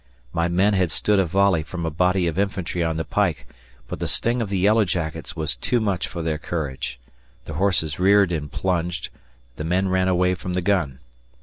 My men had stood a volley from a body of infantry on the pike, but the sting of the yellow jackets was too much for their courage. The horses reared and plunged, the men ran away from the gun.